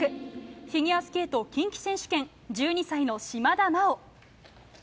フィギュアスケート近畿選手権１２歳の島田麻央。